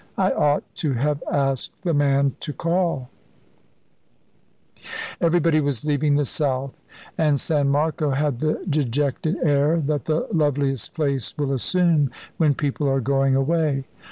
"I ought to have asked the man to call." Everybody was leaving the South, and San Marco had the dejected air that the loveliest place will assume when people are going away.